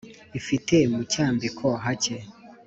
ifite mu cyambiko hake.